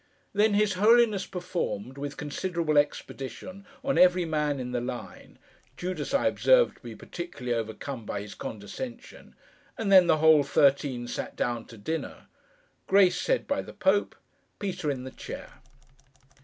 This his Holiness performed, with considerable expedition, on every man in the line (Judas, I observed, to be particularly overcome by his condescension); and then the whole Thirteen sat down to dinner. Grace said by the Pope. Peter in the chair.